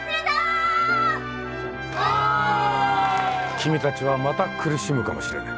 君たちはまた苦しむかもしれない。